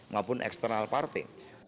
maupun eksternal partai